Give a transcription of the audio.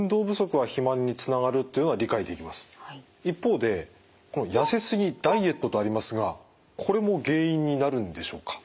一方でこの「痩せすぎ」「ダイエット」とありますがこれも原因になるんでしょうか。